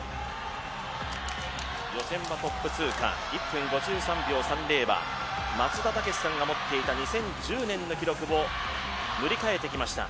予選はトップ通過１分５３秒３０は松田丈志さんが持っていた２０１０年の記録を塗り替えてきました。